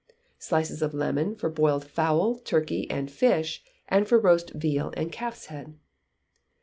Slices of lemon for boiled fowl, turkey, and fish, and for roast veal and calf's head.